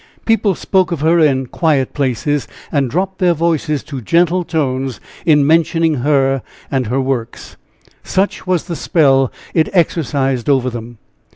People spoke of her in quiet places, and dropped their voices to gentle tones in mentioning her and her works. Such was the spell it exercised over them.